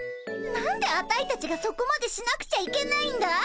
何でアタイたちがそこまでしなくちゃいけないんだい。